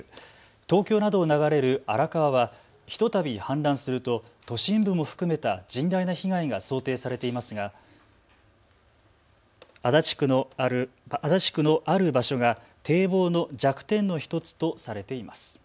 東京などを流れる荒川はひとたび氾濫すると都心部も含めた甚大な被害が想定されていますが足立区のある場所が堤防の弱点の１つとされています。